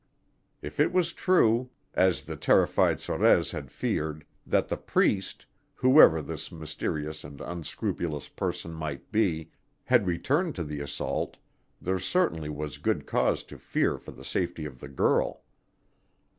If it was true, as the terrified Sorez had feared, that the priest, whoever this mysterious and unscrupulous person might be, had returned to the assault, there certainly was good cause to fear for the safety of the girl.